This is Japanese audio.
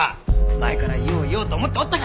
前から言おう言おうと思っておったが！